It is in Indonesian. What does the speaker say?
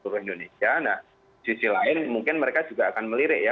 nah sisi lain mungkin mereka juga akan melirik ya